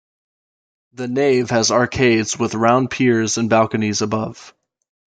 The nave has arcades with round piers and balconies above.